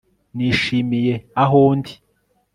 Nishimiye aho ndi